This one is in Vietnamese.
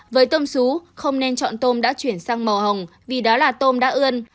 với tôm xú không nên chọn tôm đã chuyển sang màu hồng vì đó là tôm đã ươn